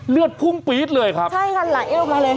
เลือดพุ่งปี๊ดเลยครับใช่ค่ะไหลลงมาเลย